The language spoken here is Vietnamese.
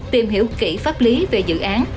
tìm hiểu kỹ pháp lý về dự án